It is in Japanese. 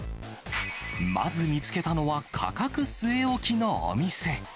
まず見つけたのは価格据え置きのお店。